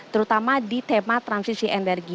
terutama di tema transisi energi